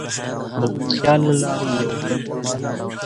موږ د خیال له لارې یوه بل ته معنی ورکوو.